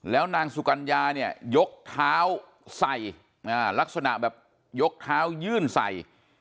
แล้วนางสุกัญญาเนี่ยยกเท้าใส่ลักษณะแบบยกเท้ายื่นใส่